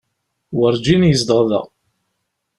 Werǧin yezdeɣ da.